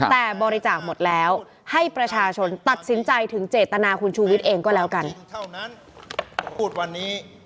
แต่บริจาคหมดแล้วให้ประชาชนตัดสินใจถึงเจตนาคุณชูวิทย์เองก็แล้วกัน